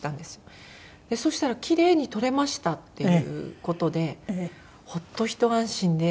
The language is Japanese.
そしたらキレイに取れましたっていう事でホッとひと安心で。